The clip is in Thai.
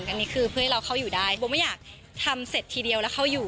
อันนี้คือเพื่อให้เราเข้าอยู่ได้โบไม่อยากทำเสร็จทีเดียวแล้วเข้าอยู่